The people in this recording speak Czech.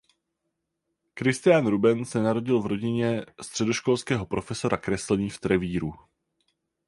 Christian Ruben se narodil v rodině středoškolského profesora kreslení v Trevíru.